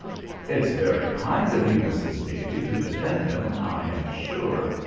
"It's very kind of you, Mrs. Daly, to defend him, I am sure.